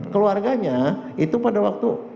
keluarganya itu pada waktu